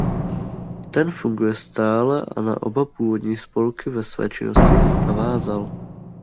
Ten funguje stále a na oba původní spolky ve své činnosti navázal.